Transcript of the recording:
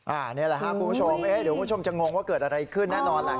อันนี้แหละครับคุณผู้ชมเอ๊ะเดี๋ยวคุณผู้ชมจะงงว่าเกิดอะไรขึ้นแน่นอนแหละ